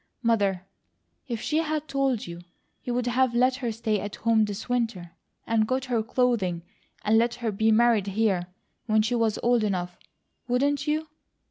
Mother, if she had told you, you would have let her stay at home this winter and got her clothing, and let her be married here, when she was old enough, wouldn't you?"